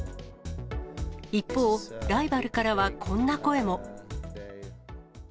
一方、ライバルからは、こんな声も。